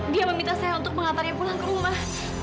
dia meminta saya untuk mengantarnya pulang ke rumah